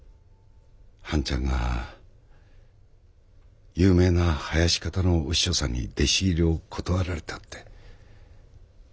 半ちゃんが有名な囃子方のお師匠さんに弟子入りを断られたって。